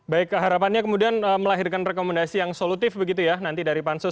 baik harapannya kemudian melahirkan rekomendasi yang solutif begitu ya nanti dari pansus